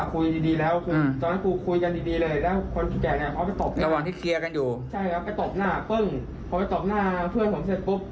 เขาไปตบหน้าเพื่อนผมเสร็จปุ๊บ